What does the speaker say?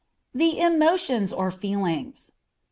_The Emotions or Feelings.